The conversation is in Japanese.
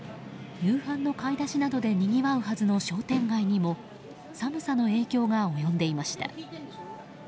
夕飯の買い出しなどでにぎわうはずの商店街にも寒さの影響が及んでいました。